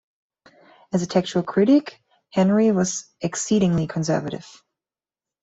As a textual critic Henry was exceedingly conservative.